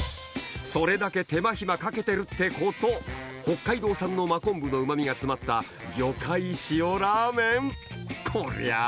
それだけ手間暇かけてるってこと北海道産の真昆布のうま味が詰まった魚介塩ラーメンこりゃあ